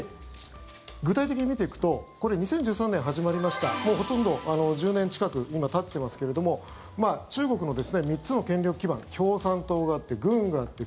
具体的に見ていくと２０１３年始まりましたほとんど１０年近く今、たっていますけれども中国の３つの権力基盤共産党があって、軍があって